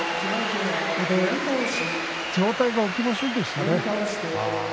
上体が起きませんでしたね。